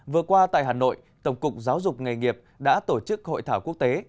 vừa qua tại hà nội tổng cục giáo dục nghề nghiệp đã tổ chức hội thảo quốc tế